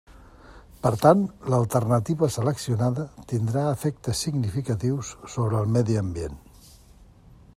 Per tant, l'alternativa seleccionada tindrà efectes significatius sobre el medi ambient.